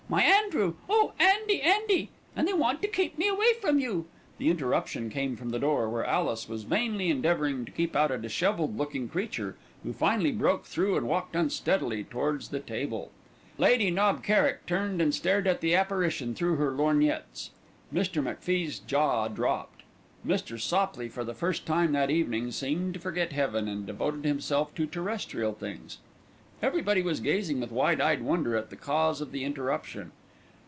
My Andrew! Oh, Andy! Andy! and they want to keep me away from you." The interruption came from the door, where Alice was vainly endeavouring to keep out a dishevelled looking creature, who finally broke through and walked unsteadily towards the table. Lady Knob Kerrick turned and stared at the apparition through her lorgnettes. Mr. MacFie's jaw dropped. Mr. Sopley for the first time that evening seemed to forget heaven, and devoted himself to terrestrial things. Everybody was gazing with wide eyed wonder at the cause of the interruption.